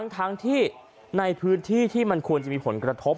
ทั้งที่ในพื้นที่ที่มันควรจะมีผลกระทบ